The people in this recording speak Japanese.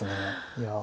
いや。